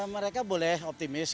mereka boleh optimis